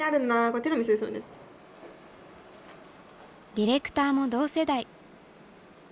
ディレクターも同世代。